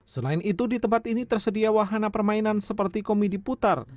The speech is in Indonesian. selain itu di tempat ini tersedia wahana permainan seperti komedi putar